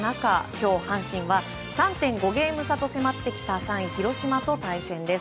今日、阪神は３．５ゲーム差と迫ってきた３位、広島と対戦です。